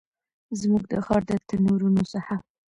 زموږ د ښار د تنورونو څخه